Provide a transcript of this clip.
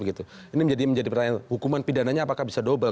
ini menjadi pertanyaan hukuman pidananya apakah bisa double